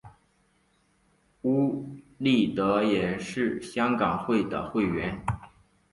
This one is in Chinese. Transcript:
邬励德也是香港会的会员。